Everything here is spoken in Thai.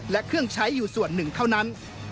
และเครื่องใช้อยู่ส่วนหนึ่งเท่านั้น